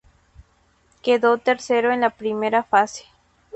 Quedó tercero en la primera fase.